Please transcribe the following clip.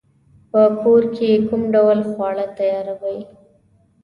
په کور کی کوم ډول خواړه تیاروئ؟